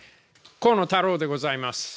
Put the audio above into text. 河野太郎でございます。